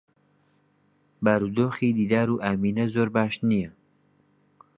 بارودۆخی دیدار و ئامینە زۆر باش نییە.